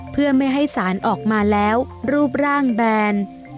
เพื่อไม่ให้สารออกมาแล้วรูปร่างแบน